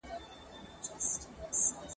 له هر نوي کفن کښه ګیله من یو ..